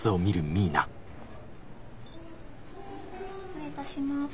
失礼いたします。